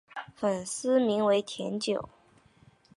粉丝名为甜酒。